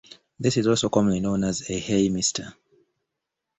This is also commonly known as a "Hey Mister".